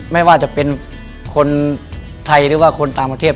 ไม่ว่าจะเป็นคนไทยหรือว่าคนต่างประเทศ